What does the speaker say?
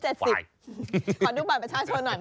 ขอดูบัตรประชาชนหน่อย